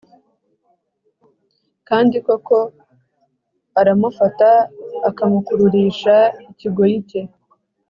Kandi koko aramufata akamukururisha ikigoyi cye